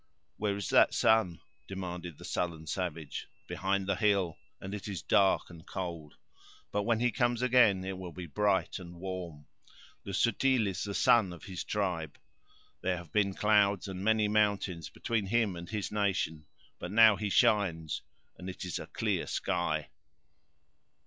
"Where is that sun?" demanded the sullen savage. "Behind the hill; and it is dark and cold. But when he comes again, it will be bright and warm. Le Subtil is the sun of his tribe. There have been clouds, and many mountains between him and his nation; but now he shines and it is a clear sky!"